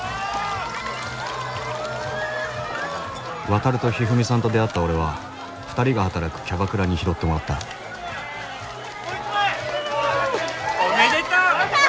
ワタルとひふみさんと出会った俺は２人が働くキャバクラに拾ってもらったおめでとう！